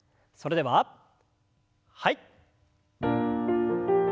それでははい。